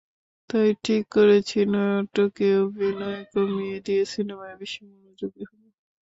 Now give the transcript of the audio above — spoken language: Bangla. তাই ঠিক করেছি, নাটকে অভিনয় কমিয়ে দিয়ে সিনেমায় বেশি মনোযোগী হব।